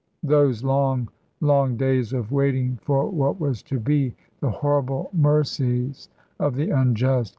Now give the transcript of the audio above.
Those long, long days of waiting for what was to be; the horrible mercies of the unjust.